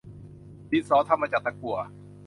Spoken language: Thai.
ดินสอทำมาจากตะกั่ว